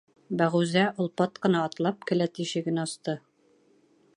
Бәғүзә, олпат ҡына атлап, келәт ишеген асты.